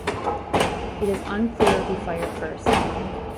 It is unclear who fired first.